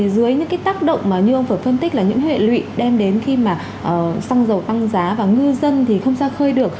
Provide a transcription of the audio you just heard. dưới những cái tác động mà như ông vừa phân tích là những hệ lụy đem đến khi mà xăng dầu tăng giá và ngư dân thì không ra khơi được